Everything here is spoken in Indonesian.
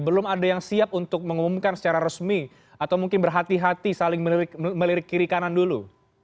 belum ada yang siap untuk mengumumkan secara resmi atau mungkin berhati hati saling melirik kiri kanan dulu